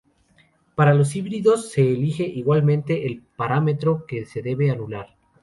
Para los híbridos se elige, igualmente, el parámetro que se debe anular.